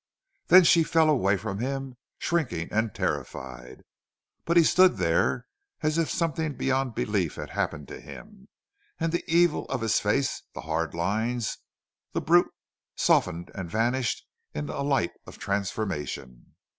Then she fell away from him, shrinking and terrified. But he stood there as if something beyond belief had happened to him, and the evil of his face, the hard lines, the brute softened and vanished in a light of transformation.